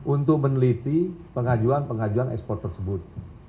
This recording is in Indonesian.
untuk meneliti pengajuan pengajuan ekspor tersebut